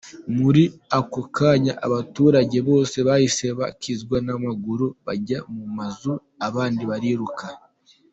Muri ako kanya abaturage bose bahise bakizwa n’amaguru bajya mu mazu abandi bariruka!